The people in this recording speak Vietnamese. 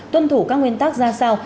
tuân thủ các nguyên tác ra sao